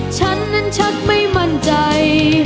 ฉันนั้นชักไม่มั่นใจ